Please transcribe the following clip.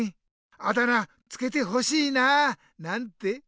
あだ名つけてほしいななんて。